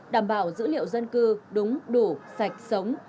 dữ liệu dân cư đúng đủ sạch sống